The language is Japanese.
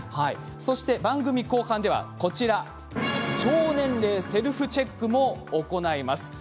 そして番組後半ではこちら、腸年齢セルフチェックも行います。